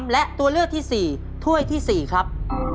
และตัวเลือกที่๔ถ้วยที่๔ครับ